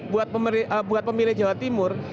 buat pemilih jawa timur